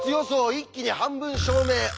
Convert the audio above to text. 一気に半分証明終わり！